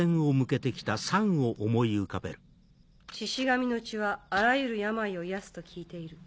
シシ神の血はあらゆる病を癒やすと聞いている。